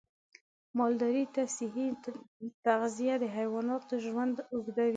مالدارۍ ته صحي تغذیه د حیواناتو ژوند اوږدوي.